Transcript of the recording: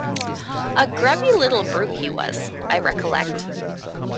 A grubby little brute he was, I recollect.